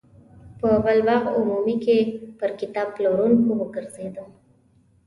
په پل باغ عمومي کې پر کتاب پلورونکو وګرځېدم.